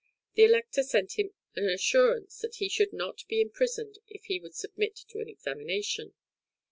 The Elector sent him an assurance that he should not be imprisoned if he would submit to an examination.